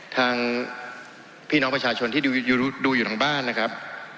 ทางพี่น้องประชาชนที่ดูอยู่ทางบ้านนะครับ